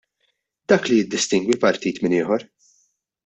Dak li jiddistingwi partit minn ieħor.